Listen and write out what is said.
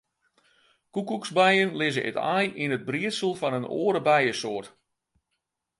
Koekoeksbijen lizze it aai yn it briedsel fan in oare bijesoart.